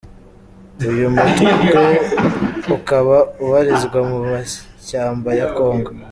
Uyu mutwe ukaba ubarizwa mu mashyamba ya Congo.